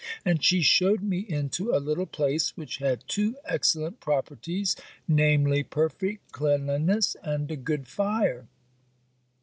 And she showed me into a little place, which had two excellent properties, namely, perfect cleanliness, and a good fire.